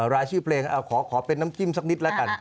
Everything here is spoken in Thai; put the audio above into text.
รายชื่อเพลงขอเป็นน้ำจิ้มสักนิดแล้วกัน